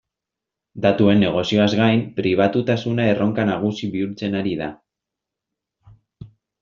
Datuen negozioaz gain, pribatutasuna erronka nagusi bihurtzen ari da.